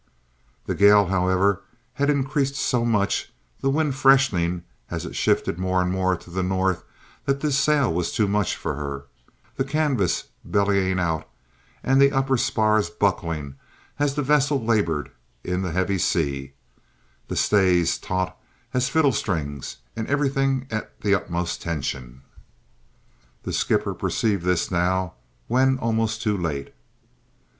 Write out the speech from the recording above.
The gale, however, had increased so much, the wind freshening as it shifted more and more to the north that this sail was too much for her, the canvas bellying out, and the upper spars "buckling" as the vessel laboured in the heavy sea, the stays taut as fiddle strings and everything at the utmost tension. The skipper perceived this now, when almost too late.